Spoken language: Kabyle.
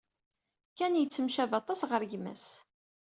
Ken yettemcabi aṭas ɣer gma-s.